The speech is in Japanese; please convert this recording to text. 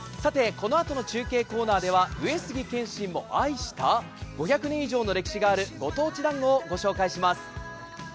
このあとの中継コーナーでは上杉謙信も愛した５００年以上の歴史があるご当地だんごをご紹介します。